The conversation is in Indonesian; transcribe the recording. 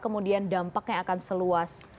kemudian dampaknya akan seluas